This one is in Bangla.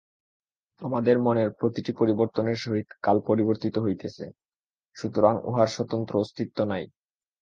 আমাদের মনের প্রতিটি পরিবর্তনের সহিত কাল পরিবর্তিত হইতেছে, সুতরাং উহার স্বতন্ত্র অস্তিত্ব নাই।